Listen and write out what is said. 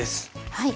はい。